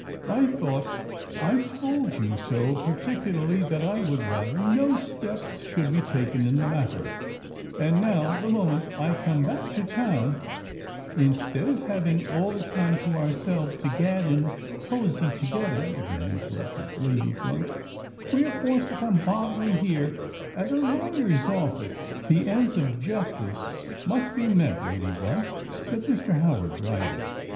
I thought I told you so particularly that I would rather no steps should be taken in the matter; and now—the moment I come back to town——" "Instead of having all our time to ourselves, to gad about cozie together," again interrupted Lady Blunt, "we are forced to come bothering here at a lawyer's office." "The ends of justice must be met, Lady Blunt," said Mr. Howard drily.